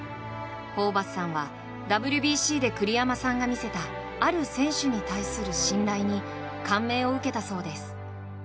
ホーバスさんはＷＢＣで栗山さんが見せたある選手に対する信頼に感銘を受けたそうです。